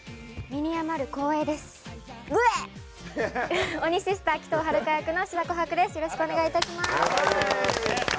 身に余る光栄です。